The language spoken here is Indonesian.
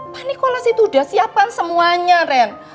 pak nikolas itu udah siapkan semuanya ren